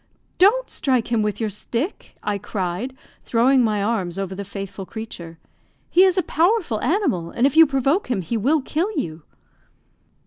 "Don't strike him with your stick," I cried, throwing my arms over the faithful creature. "He is a powerful animal, and if you provoke him, he will kill you."